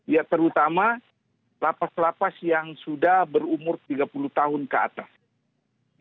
ya terutama lapas lapas yang sudah berumur tiga puluh tahun ke atas